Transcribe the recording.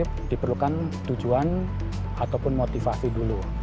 nah diri sendiri diperlukan tujuan ataupun motivasi dulu